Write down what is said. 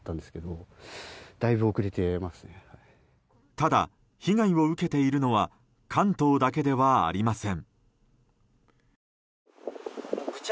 ただ、被害を受けているのは関東だけではありません。